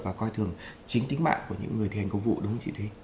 và coi thường chính tính mạng của những người thi hành công vụ đúng không chị thế